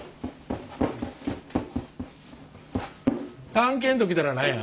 「探検」と来たら何や？